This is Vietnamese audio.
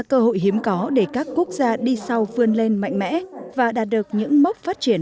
cơ hội hiếm có để các quốc gia đi sau vươn lên mạnh mẽ và đạt được những mốc phát triển